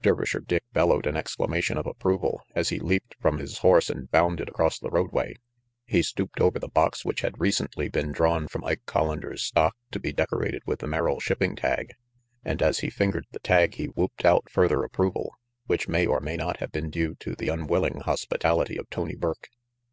Dervisher Dick bellowed an exclamation of approval as he leaped from his horse and bounded across the roadway. He stooped over the box which had recently been drawn from Ike Collander's stock to be decorated with the Merrill shipping tag, and as he fingered the tag he whooped out further approval, which may or may not have been due to the unwilling hospitality of Tony Burke.